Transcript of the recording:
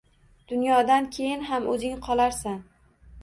Dunyodan keyin ham O‘zing qolarsan.